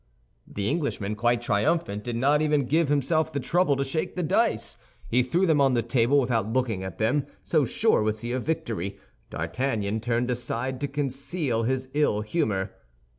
The Englishman, quite triumphant, did not even give himself the trouble to shake the dice. He threw them on the table without looking at them, so sure was he of victory; D'Artagnan turned aside to conceal his ill humor.